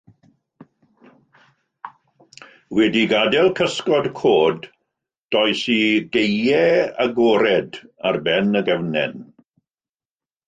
Wedi gadael cysgod coed, dois i gaeau agored, ar ben y gefnen.